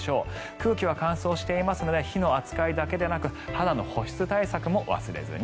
空気は乾燥していますので火の扱いだけでなく肌の保湿対策も忘れずに。